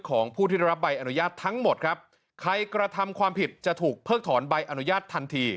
ของผู้ที่ได้รับใบอนุญาตทั้งหมดครับใครกระทำความผิดจะถูกเพิกถอนใบอนุญาตทันที